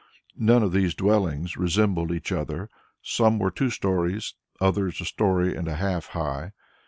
None of these dwellings resembled each other; some were two stories, others a story and a half high.